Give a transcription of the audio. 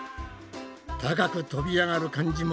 高く飛び上がる感じも。